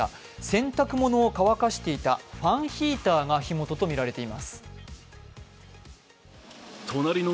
洗濯物を乾かしていたファンヒーターが火元とみられています。